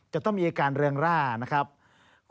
จะต้องมีการเรื่องร่างธรรม